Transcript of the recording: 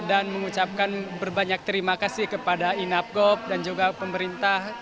dan mengucapkan berbanyak terima kasih kepada enab goh dan juga pemerintah